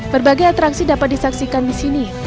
berbagai atraksi dapat disaksikan di sini